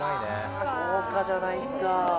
豪華じゃないですか！